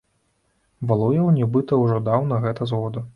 Валуеў, нібыта, ужо даў на гэта згоду.